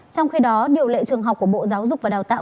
trong khi đó điều lệ trường học của bộ giáo dục và đào tạo